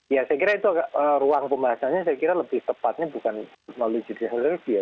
ya saya kira itu ruang pembahasannya lebih tepatnya bukan melalui jenis energi ya